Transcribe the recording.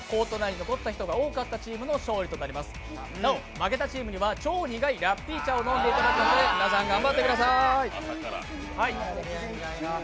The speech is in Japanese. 負けたチームには超苦いラッピー茶を飲んでいただきますので頑張ってください。